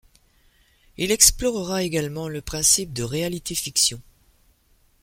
Il explorera également le principe de réalité-fiction.